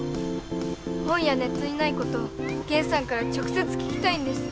本やネットにないことをゲンさんから直接聞きたいんです。